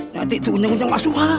yati tuh nyenyong nyenyong asuhah